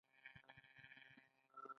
• انګور د میلمستیا لپاره ښه مېوه ده.